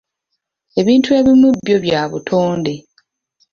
Ebintu ebimu byo bya butonde.